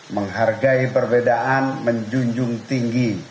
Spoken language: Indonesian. menghargai perbedaan menjunjung tinggi